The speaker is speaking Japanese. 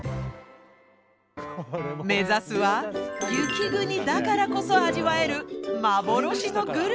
目指すは雪国だからこそ味わえる幻のグルメです。